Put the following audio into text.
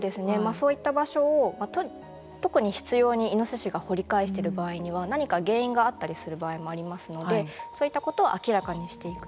そういった場所を特に執ようにイノシシが掘り返している場合は何か原因があったりする場合もありますのでそういったことを明らかにしていく。